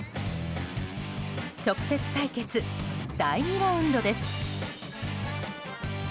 直接対決、第２ラウンドです。